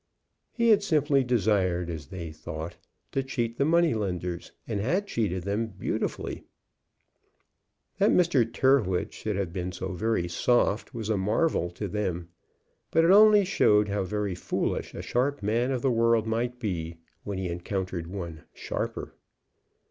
He had simply desired, as they thought, to cheat the money lenders, and had cheated them beautifully. That Mr. Tyrrwhit should have been so very soft was a marvel to them; but it only showed how very foolish a sharp man of the world might be when he encountered one sharper.